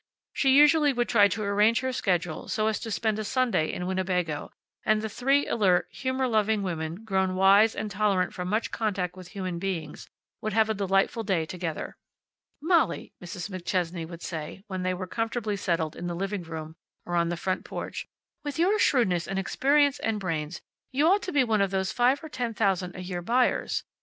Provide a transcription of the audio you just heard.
She usually would try to arrange her schedule so as to spend a Sunday in Winnebago, and the three alert, humor loving women, grown wise and tolerant from much contact with human beings, would have a delightful day together. "Molly," Mrs. McChesney would say, when they were comfortably settled in the living room, or on the front porch, "with your shrewdness, and experience, and brains, you ought to be one of those five or ten thousand a year buyers.